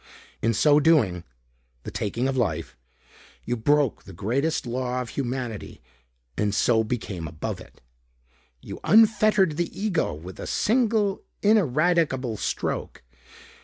In so doing, the taking of life, you broke the greatest law of humanity and so became above it. You unfettered the ego with a single ineradicable stroke.